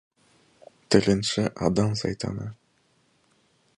Тіленші — адам сайтаны.